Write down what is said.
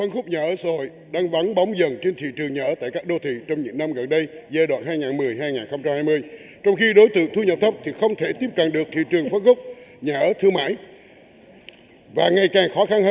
những năm gần đây giai đoạn hai nghìn một mươi hai nghìn hai mươi trong khi đối tượng thu nhập thấp thì không thể tiếp cận được thị trường phát gốc nhà ở thư mãi và ngày càng khó khăn hơn